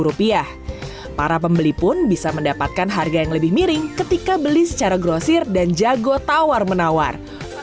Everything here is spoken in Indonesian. para pembeli pun bisa mendapatkan harga yang lebih miring ketika beli secara grosir dan jago tawar menawar